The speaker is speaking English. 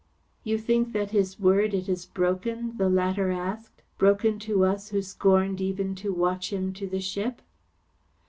"You think that his word it is broken," the latter asked, "broken to us who scorned even to watch him to the ship?"